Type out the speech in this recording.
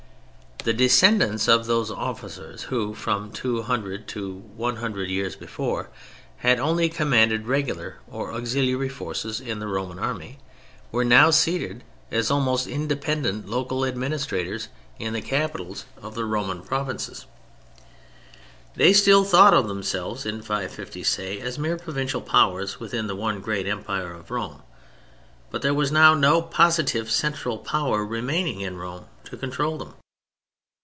_The descendants of those officers who from two hundred to one hundred years before had only commanded regular or auxiliary forces in the Roman Army, were now seated as almost independent local administrators in the capitals of the Roman provinces_. They still thought of themselves, in 550, say, as mere provincial powers within the one great Empire of Rome. But there was now no positive central power remaining in Rome to control them.